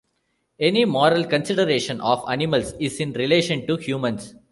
Any moral consideration of animals is in relation to humans.